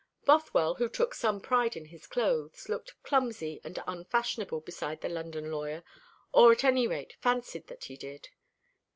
Bothwell, who took some pride in his clothes, looked clumsy and unfashionable beside the London lawyer, or at any rate fancied that he did.